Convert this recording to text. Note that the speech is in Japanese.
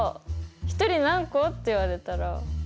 １人何個？」って言われたら。